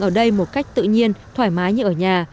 ở đây một cách tự nhiên thoải mái như ở nhà